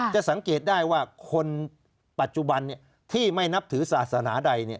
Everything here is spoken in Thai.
จะสังเกตได้ว่าคนปัจจุบันที่ไม่นับถือศาสนาใด